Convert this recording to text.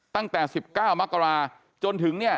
ตั้งแต่๑๙มกราจนถึงเนี่ย